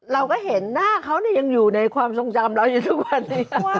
เราก็เห็นหน้าเขายังอยู่ในความทรงจำเราอยู่ทุกวันนี้